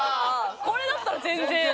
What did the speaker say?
これだったら全然。